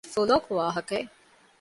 މީ ފުލޯކު ވާހަކައެއް